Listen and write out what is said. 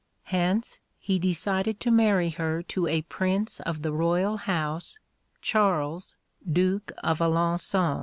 Hence he decided to marry her to a prince of the royal house, Charles, Duke of Alençon.